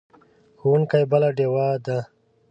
ښوونکی بله ډیوه ده.